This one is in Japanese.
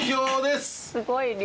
すごい量。